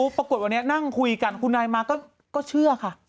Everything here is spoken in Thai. ปรากฏวันนี้นั่งคุยกันคุณนายมาก็เชื่อค่ะ